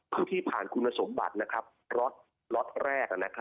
เพิ่มที่ผ่านคุณสมบัติล็อทแรก